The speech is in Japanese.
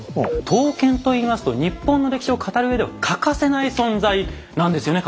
刀剣といいますと日本の歴史を語る上では欠かせない存在なんですよね？